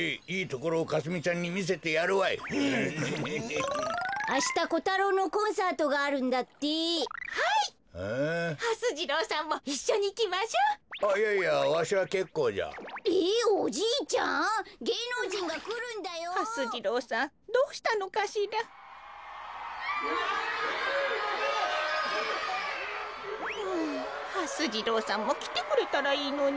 こころのこえああはす次郎さんもきてくれたらいいのに。